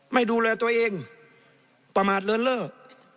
ไม่ดูแลตัวเองประมาทเลินเล่อ